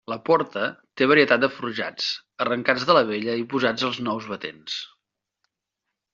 La porta té varietat de forjats, arrancats de la vella i posats als nous batents.